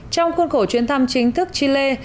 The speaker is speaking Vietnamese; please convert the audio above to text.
trong khuôn khổ chuyến thăm chính thức chile